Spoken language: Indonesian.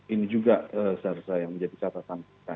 ini juga seharusnya yang menjadi catatan kita